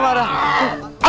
kau mau ngapain